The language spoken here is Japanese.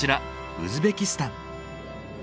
ウズベキスタン。